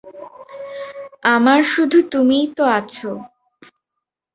আমার শুধু তুমিই তো আছ।